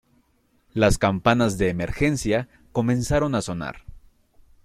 Las campanas de emergencia comenzaron a sonar.